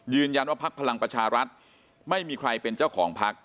ยืนยันว่าภักดิ์พลังประชารัฐไม่มีใครเป็นเจ้าของภักดิ์